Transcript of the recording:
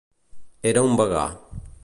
Era un vegà.